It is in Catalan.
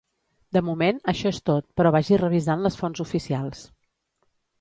De moment això és tot però vagi revisant les fonts oficials.